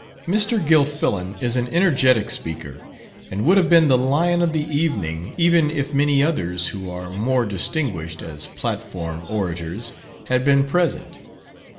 Mr. Gilfillan is an energetic speaker, and would have been the lion of the evening, even if many others who are more distinguished as platform orators had been present.